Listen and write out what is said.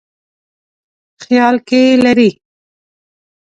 خیال کې لري.